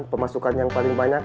pemasukan yang paling banyak